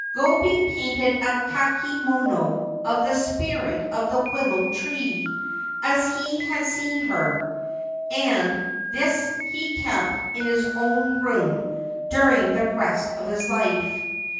Gobei painted a kakemono of the spirit of the willow tree as he had seen her, and this he kept in his own room during the rest of his life.